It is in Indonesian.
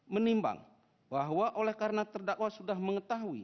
menimbang bahwa oleh karena terdakwa sudah mengetahui